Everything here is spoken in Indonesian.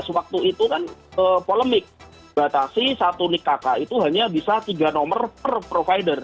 sewaktu itu kan polemik batasi satu nik kk itu hanya bisa tiga nomor per provider